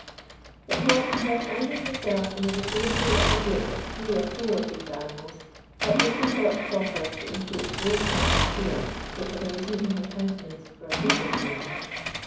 It was to her finding herself in the vicinity of a group of three or four of these animals, that Lucy thought proper to impute those signs of fear which had arisen in her countenance for a different reason.